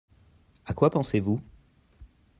À quoi pensez-vous ?